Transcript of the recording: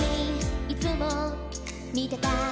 「いつも見てた」